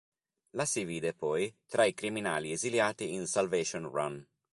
La si vide poi tra i criminali esiliati in "Salvation Run".